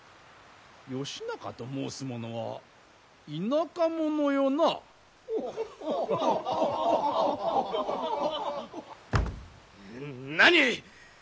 義仲と申す者は田舎者よな。何！？